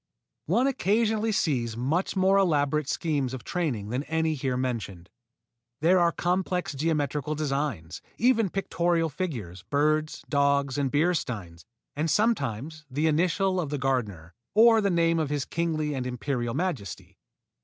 One occasionally sees much more elaborate schemes of training than any here mentioned. There are complex geometrical designs, even pictorial figures birds, dogs, and beer steins and sometimes the initials of the gardener, or the name of his kingly and imperial majesty.